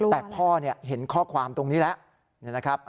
แต่พ่อเห็นข้อความตรงนี้แล้วนะครับ